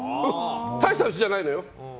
大した家じゃないのよ！